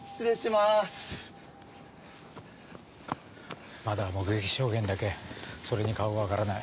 まだ目撃証言だけそれに顔が分からない。